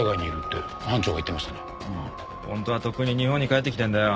本当はとっくに日本に帰ってきてるんだよ。